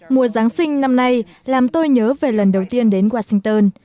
mùa giáng sinh năm nay làm tôi nhớ về lần đầu tiên đến washington